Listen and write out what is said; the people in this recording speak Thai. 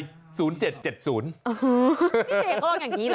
พี่เจเขาบอกแบบนี้เหรอ